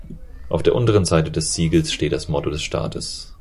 Auf der unteren Seite des Siegels steht das Motto des Staates.